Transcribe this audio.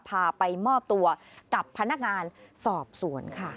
พาไปมอบตัวกับพนักงานสอบสวนค่ะ